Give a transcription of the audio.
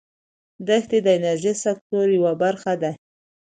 دښتې د انرژۍ سکتور یوه برخه ده.